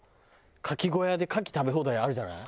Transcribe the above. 牡蠣小屋で牡蠣食べ放題あるじゃない？